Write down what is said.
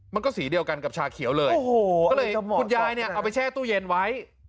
มันก็สีเดียวกันกับชาเขียวเลยก็เลยคุณยายเนี่ยเอาไปแช่ตู้เย็นไว้